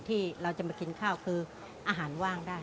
ที่เราจะมากินข้าวคืออาหารว่างได้